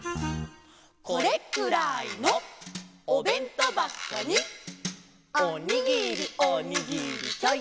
「これくらいのおべんとばこに」「おにぎりおにぎりちょいとつめて」